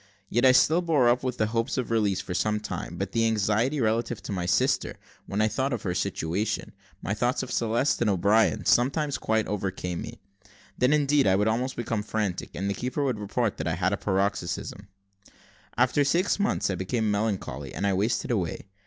Yet I still bore up with the hopes of release for some time; but the anxiety relative to my sister, when I thought of her situation, my thoughts of Celeste and of O'Brien, sometimes quite overcame me; then, indeed, I would almost become frantic, and the keeper would report that I had had a paroxysm. After six months I became melancholy, and I wasted away.